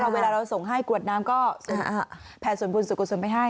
เวลาเราส่งให้กรวดน้ำก็แผ่ส่วนบุญส่วนกุศลไปให้